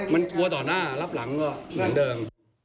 มันกลัวต่อหน้ารับหลังก็เหมือนเดิม